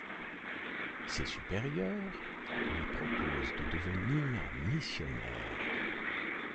Ses supérieurs lui proposent de devenir missionnaire.